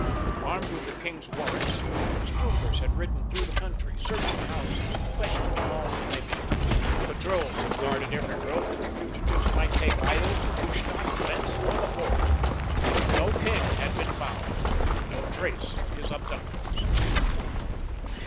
Armed with the king's warrants, his troopers had ridden through the country, searching houses, and questioning all whom they met. Patrols had guarded every road that the fugitives might take either to Lustadt, Blentz, or the border; but no king had been found and no trace of his abductors.